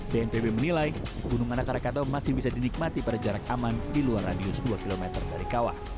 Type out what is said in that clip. bnpb menilai gunung anak rakatau masih bisa dinikmati pada jarak aman di luar radius dua km dari kawah